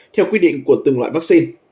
theo quy định của từng loại vaccine